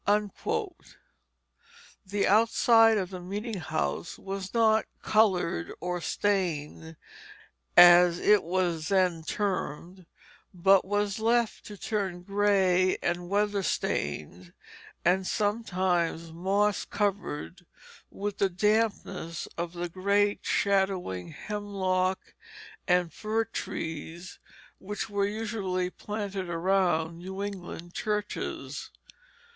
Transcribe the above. The outside of the meeting house was not "colored," or "stained" as it was then termed, but was left to turn gray and weather stained, and sometimes moss covered with the dampness of the great shadowing hemlock and fir trees which were usually planted around New England churches.